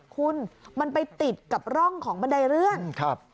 คุณมันไปติดกับร่องของบันไดเลื่อนครับ